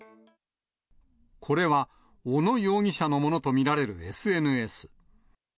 これは小野容疑者のものと見られるＳＮＳ。